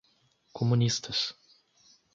comunistas